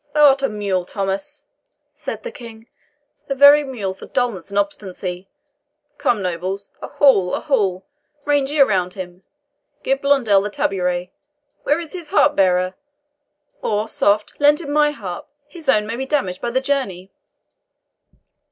"Thou art a mule, Thomas," said the King "a very mule for dullness and obstinacy! Come, nobles a hall a hall range ye around him! Give Blondel the tabouret. Where is his harp bearer? or, soft, lend him my harp, his own may be damaged by the journey."